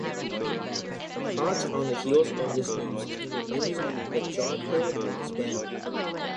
Hot on the heels of this news came the news that Jarcrew had disbanded.